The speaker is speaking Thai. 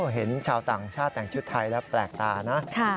เห็นชาวต่างชาติแต่งชุดไทยแล้วแปลกตานะ